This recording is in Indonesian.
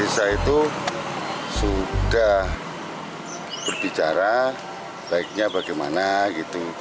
sudah berbicara baiknya bagaimana gitu